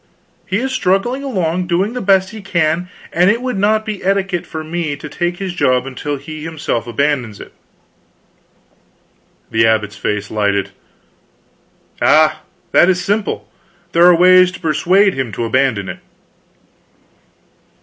He is struggling along, doing the best he can, and it would not be etiquette for me to take his job until he himself abandons it." The abbot's face lighted. "Ah, that is simple. There are ways to persuade him to abandon it."